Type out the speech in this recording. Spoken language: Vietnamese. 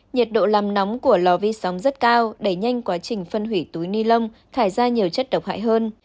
nhiệt độ làm nóng của lò vi sóng rất cao đẩy nhanh quá trình phân hủy túi ni lông thải ra nhiều chất độc hại hơn